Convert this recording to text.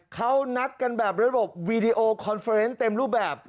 เขานัดกันแบบเรื่องบอกวีดีโอคอนเฟอร์เต็มรูปแบบ